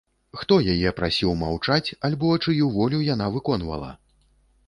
Хто яе прасіў маўчаць альбо чыю волю яна выконвала?